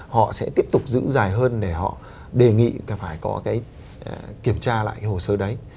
họ sẽ tiếp tục giữ dài hơn để họ đề nghị là phải có cái kiểm tra lại cái hồ sơ đấy